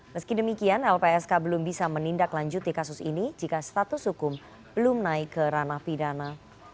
meski demikian lpsk belum bisa menindaklanjuti kasus ini jika status hukum belum naik ke ranah pidana